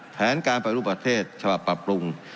แผนการปฏิรูปประเทศฉบับปรับปรุง